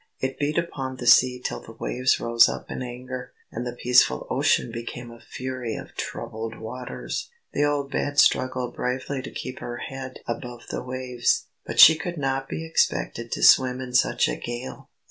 It beat upon the sea till the waves rose up in anger, and the peaceful ocean became a fury of troubled waters! The old Bed struggled bravely to keep her head above the waves, but she could not be expected to swim in such a gale.